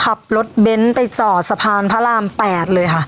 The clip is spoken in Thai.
ขับรถเบนท์ไปจอดสะพานพระราม๘เลยค่ะ